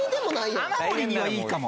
雨漏りにはいいかも。